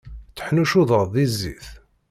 Tteḥnuccuḍeɣ di zzit.